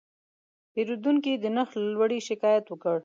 پیرودونکی د نرخ له لوړې شکایت وکړ.